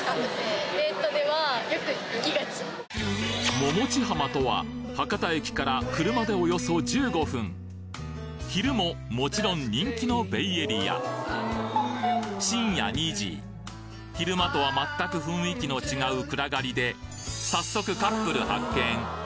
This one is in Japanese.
ももち浜とは昼ももちろん人気のベイエリア昼間とは全く雰囲気の違う暗がりで早速カップル発見！